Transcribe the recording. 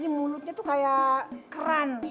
ini mulutnya tuh kayak keren